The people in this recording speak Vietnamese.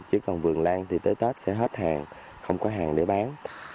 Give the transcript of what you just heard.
chứ còn vườn lan thì tới tết sẽ hết hàng không có hàng để bán